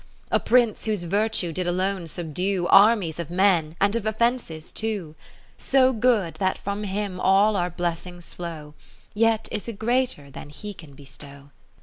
A Prince whose Virtue did alone subdue Armies of men, and of offences too. So good, that from him all our blessings flow, Yet is a greater than he can bestow.